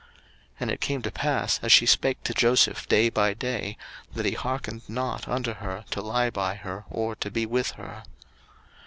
01:039:010 And it came to pass, as she spake to Joseph day by day, that he hearkened not unto her, to lie by her, or to be with her.